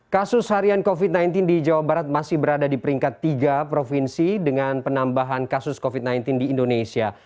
kasus harian covid sembilan belas di jawa barat masih berada di peringkat tiga provinsi dengan penambahan kasus covid sembilan belas di indonesia